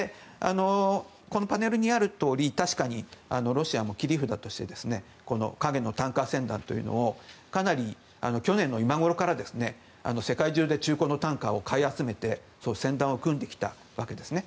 このパネルにあるとおり確かにロシアも切り札として影のタンカー船団というのをかなり、去年の今頃から世界中で中古のタンカーを買い集めて船団を組んできたわけですね。